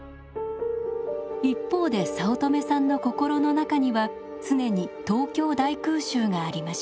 一方で早乙女さんの心の中には常に東京大空襲がありました。